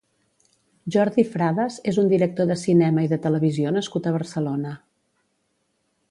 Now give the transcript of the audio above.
Jordi Frades és un director de cinema i de televisió nascut a Barcelona.